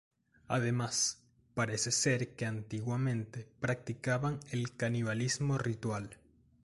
Además, parece ser que antiguamente practicaban el canibalismo ritual.